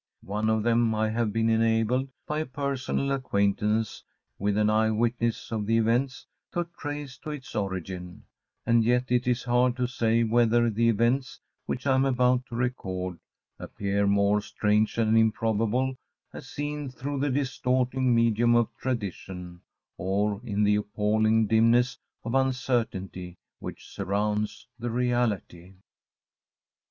One of them I have been enabled, by a personal acquaintance with an eye witness of the events, to trace to its origin; and yet it is hard to say whether the events which I am about to record appear more strange and improbable as seen through the distorting medium of tradition, or in the appalling dimness of uncertainty which surrounds the reality.